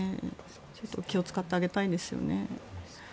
気を使ってあげたいですよね。